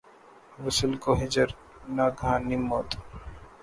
وصل کو ہجر ، ناگہانی موت